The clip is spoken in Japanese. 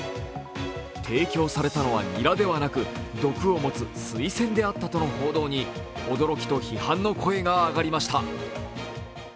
提供されたのはにらではなく毒を持つスイセンであったとの報道に驚きと批判の声が上がりました。